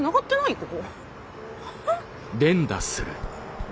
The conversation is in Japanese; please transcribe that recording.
ここ？